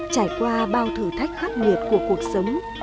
trải qua bao thử thách khắc nghiệt của cuộc sống